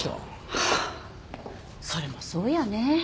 ハァそれもそうやね。